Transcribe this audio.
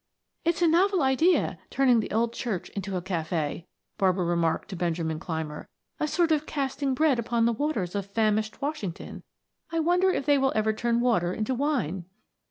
"It's a novel idea turning the old church into a cafe," Barbara remarked to Benjamin Clymer. "A sort of casting bread upon the waters of famished Washington. I wonder if they ever turn water into wine?"